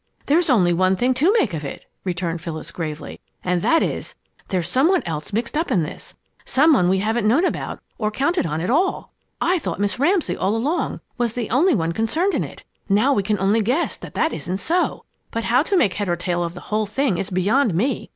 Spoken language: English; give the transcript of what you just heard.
"There's only one thing to make of it," returned Phyllis, gravely, "And that is there's some one else mixed up in this some one we haven't known about or counted on at all! I thought Miss Ramsay, all along, was the only one concerned in it. Now we can only guess that that isn't so. But how to make head or tail of the whole thing is beyond me.